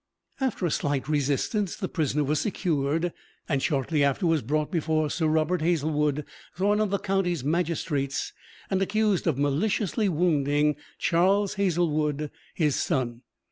After a slight resistance the prisoner was secured, and shortly after was brought before Sir Robert Hazlewood, one of the county magistrates, and accused of maliciously wounding Charles Hazlewood, his son.